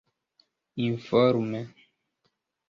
informe